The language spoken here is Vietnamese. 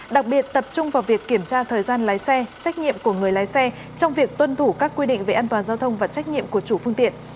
đặc biệt tập trung vào việc kiểm tra thời gian lái xe trách nhiệm của người lái xe trong việc tuân thủ các quy định về an toàn giao thông và trách nhiệm của chủ phương tiện